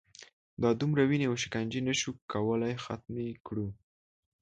دا دومره وینې او شکنجې نه شو کولای ختمې کړو.